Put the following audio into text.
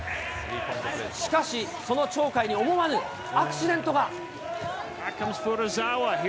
しかし、その鳥海に思わぬアクシデントが。